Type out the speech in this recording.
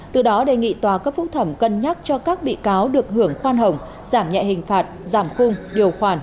từ đó đề nghị tòa cấp phúc thẩm cân nhắc cho các bị cáo được hưởng khoan hồng giảm nhẹ hình phạt giảm khung điều khoản